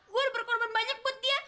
gue udah berkorban banyak buat dia